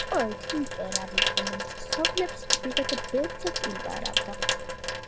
იყო ერთი მკერავი, რომელიც ქსოვილებს ჭრიდა და ბევრსაც იპარავდა